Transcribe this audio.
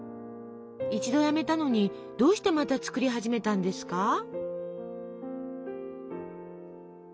一度やめたのにどうしてまた作り始めたんですか？